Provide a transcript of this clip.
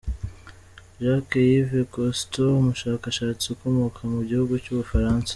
Jacques-Yves Cousteau, umushakashatsi ukomoka mu gihugu cy’ u Bufaransa.